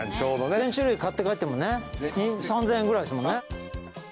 全種類買って帰っても３，０００円くらいですもんね。